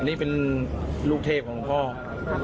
อันนี้เป็นลูกเทพของหลวงพ่อ